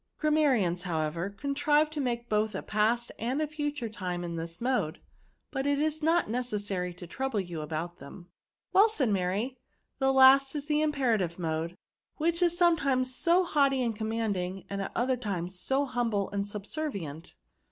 *'" Grammarians, however, contrive to make both a past and a fiiture time in this mode | VERBS. 2Sl but it is not necessary to trouble you about them." " Well," said Mary, " the last is the im perative mode, which is sometimes so haughty and commanding) and at others so humble and subservient."